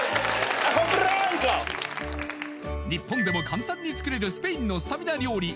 日本でも簡単に作れるスペインのスタミナ料理